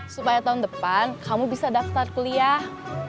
supaya tahun depan kamu bisa daftar kuliah